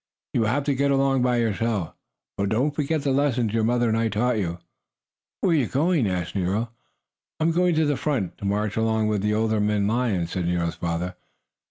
"You will have to get along by yourself. But don't forget the lessons your mother and I taught you." "Where are you going?" asked Nero. "I am going to the front, to march along with the older men lions," said Nero's father.